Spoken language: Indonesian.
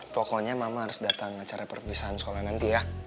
pokoknya mama harus datang acara perpisahan sekolah nanti ya